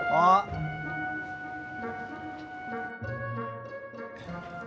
nah apa lo pur